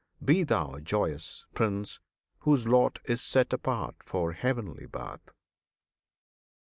Be thou joyous, Prince! Whose lot is set apart for heavenly Birth.